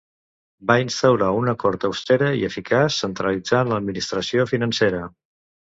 Va instaurar una cort austera i eficaç, centralitzant l'administració financera.